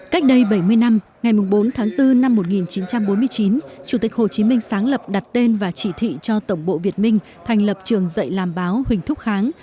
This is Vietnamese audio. cách đây bảy mươi năm ngày bốn tháng bốn năm một nghìn chín trăm bốn mươi chín chủ tịch hồ chí minh sáng lập đặt tên và chỉ thị cho tổng bộ việt minh thành lập trường dạy làm báo huỳnh thúc kháng